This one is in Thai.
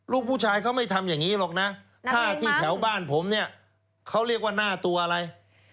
ลูกผู้ชายเขาไม่ทำอย่างนี้หรอกนะถ้าที่แถวบ้านผมเนี่ยเขาเรียกว่าหน้าตัวอะไร